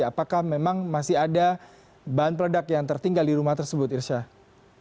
apakah memang masih ada bahan peledak yang tertinggal di rumah tersebut irsyah